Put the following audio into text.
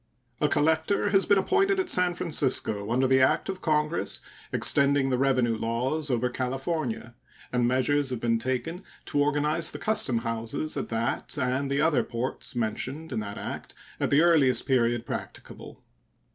A collector has been appointed at San Francisco under the act of Congress extending the revenue laws over California, and measures have been taken to organize the custom houses at that and the other ports mentioned in that act at the earliest period practicable.